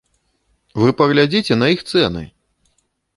Вы паглядзіце на іх цэны!